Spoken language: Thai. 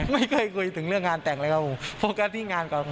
ไม่เคยคุยถึงเรื่องงานแต่งเลยครับผมโฟกัสที่งานก่อน